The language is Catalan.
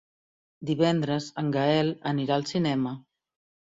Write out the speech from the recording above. Divendres en Gaël anirà al cinema.